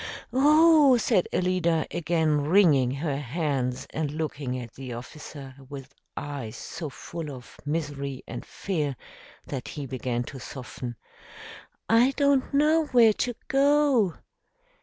"Oh!" said Alida, again wringing her hands and looking at the officer with eyes so full of misery and fear that he began to soften, "I don't know where to go."